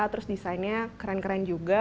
terus desainnya keren keren juga